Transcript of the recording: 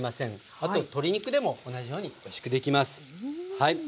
あと鶏肉でも同じようにおいしくできます。